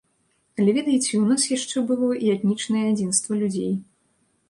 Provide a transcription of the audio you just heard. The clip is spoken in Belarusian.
Але, ведаеце, у нас яшчэ было і этнічнае адзінства людзей.